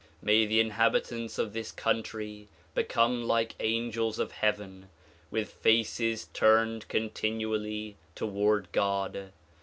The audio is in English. May the inhabitants of this country become like angels of heaven with faces turned continually toward God.